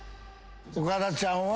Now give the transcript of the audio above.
岡田ちゃんは？